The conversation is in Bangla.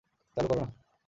চালু করো না।